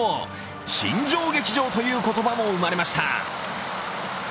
新庄劇場という言葉も生まれました。